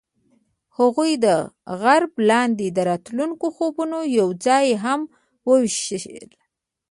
هغوی د غروب لاندې د راتلونکي خوبونه یوځای هم وویشل.